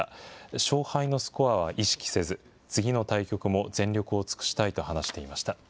勝敗のスコアは意識せず、次の対局も全力を尽くしたいと話していました。